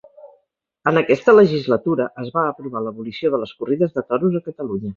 En aquesta legislatura es va aprovar l'abolició de les corrides de toros a Catalunya.